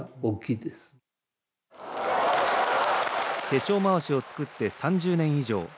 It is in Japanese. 化粧まわしを作って３０年以上。